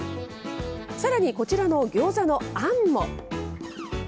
さらにこちらのギョーザのあんも。